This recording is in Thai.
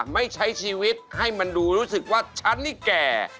ไม่ใช้ชีวิตให้มันดูรู้สึกว่าฉันนี่แก่